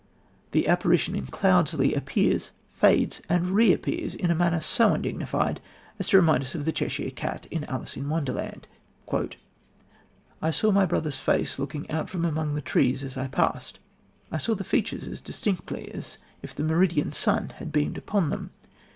The apparition in Cloudesley appears, fades, and reappears in a manner so undignified as to remind us of the Cheshire Cat in Alice in Wonderland: "I suddenly saw my brother's face looking out from among the trees as I passed. I saw the features as distinctly as if the meridian sun had beamed upon them...